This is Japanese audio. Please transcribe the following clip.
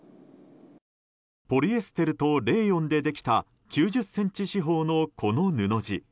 ポリエステルとレーヨンでできた９０ｃｍ四方のこの布地。